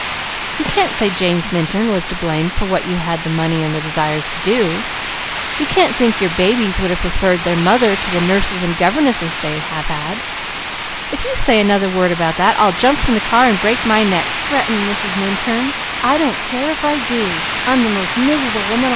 _ You can't say James Minturn was to blame for what you had the money and the desire to do. You can't think your babies would have preferred their mother to the nurses and governesses they have had " "If you say another word about that I'll jump from the car and break my neck," threatened Mrs. Minturn.